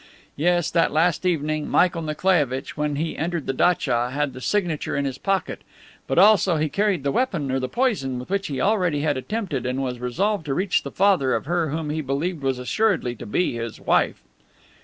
Yes, that last evening, Michael Nikolaievitch, when he entered the datcha, had the signature in his pocket, but also he carried the weapon or the poison with which he already had attempted and was resolved to reach the father of her whom he believed was assuredly to be his wife."